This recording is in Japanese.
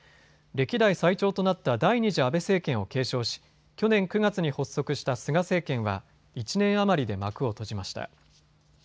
歴代最長となった第２次安倍政権を継承し去年９月に発足した菅政権は１年余りで幕を閉じました。